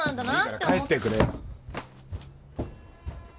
もういいから帰ってくれよ。